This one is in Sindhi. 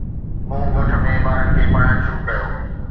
مون ڳوٺ ۾ ٻارن کي پڙهائڻ شروع ڪيو